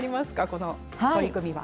この取り組みは。